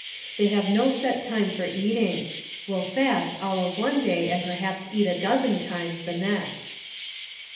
They have no set time for eating; will fast all of one day, and perhaps eat a dozen times the next.